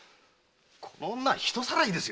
この女は人さらいですよ！